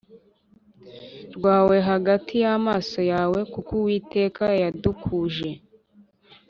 Rwawe hagati y amaso yawe kuko uwiteka yadukuje